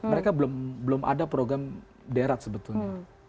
mereka belum ada program derat sebetulnya